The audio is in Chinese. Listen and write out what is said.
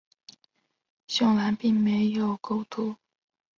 胸篮并没有钩突。